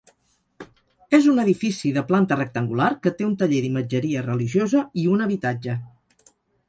És un edifici de planta rectangular que té un taller d'imatgeria religiosa i un habitatge.